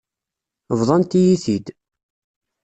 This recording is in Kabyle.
Bḍant-iyi-t-id.